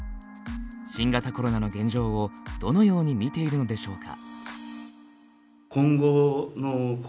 新型コロナの現状をどのように見ているのでしょうか。